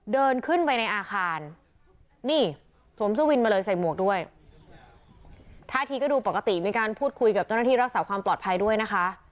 เดี๋ยวเจ้าหน้าที่รักษาความปลอดภัยด้วยนะคะ